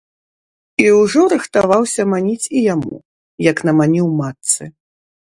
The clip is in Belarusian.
І ўжо рыхтаваўся маніць і яму, як наманіў матцы.